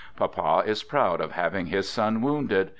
Papa is proud of having his son wounded.